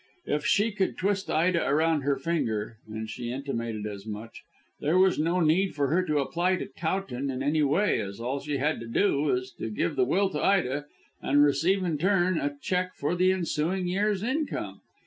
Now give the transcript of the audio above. If she could twist Ida round her finger and she intimated as much there was no need for her to apply to Towton in any way, as all she had to do was to give the will to Ida and receive in return a cheque for the ensuing year's income.